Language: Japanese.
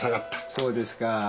そうですか。